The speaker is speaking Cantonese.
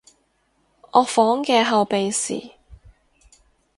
我房嘅後備匙